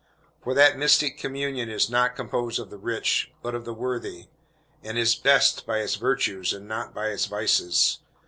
For that mystic communion is not composed of the rich, but of the worthy; and is "best" by its virtues, and not by its vices.